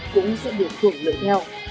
cũng sẽ được thuộc lợi theo